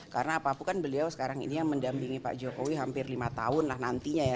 karena papu kan beliau sekarang ini yang mendampingi pak jokowi hampir lima tahun lah nantinya ya